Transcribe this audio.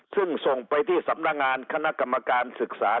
ซึ่งส่งไปที่สำนักงานคณะกรรมการศึกษา